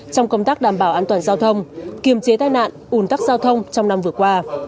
trong công tác đảm bảo an toàn giao thông kiềm chế tai nạn ủn tắc giao thông trong năm vừa qua